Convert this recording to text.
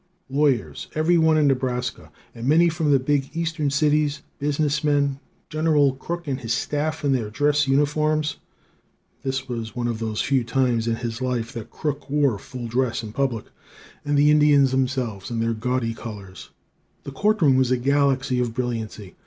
Lawyers, every one in Nebraska, and many from the big Eastern cities; business men; General Crook and his staff in their dress uniforms (this was one of the few times in his life that Crook wore full dress in public); and the Indians themselves, in their gaudy colors. The court room was a galaxy of brilliancy.